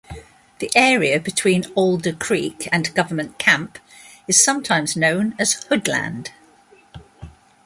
The area between Alder Creek and Government Camp is sometimes known as Hoodland.